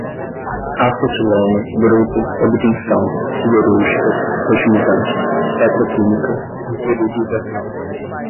acetileno, bruto, obtenção, siderúrgicas, fertilizantes, petroquímica, interiorização